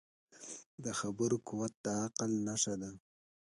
د خبرو قوت د عقل نښه ده